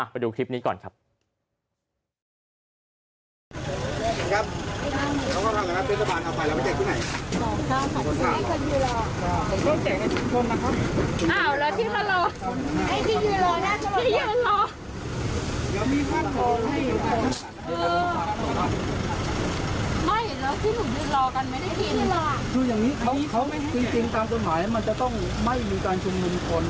ไปดูคลิปนี้ก่อนครับ